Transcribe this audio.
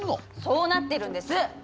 そうなってるんです！